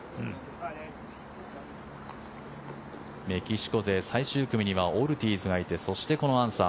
メキシコ勢最終組はオルティーズがいてそしてこのアンサー。